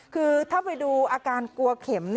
คือถ้าไปดูอาการกลัวเข็ม